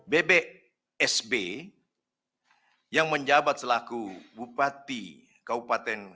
bebek sb yang menjabat selaku bupati kabupaten